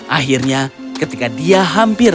akhirnya ketika dia hampir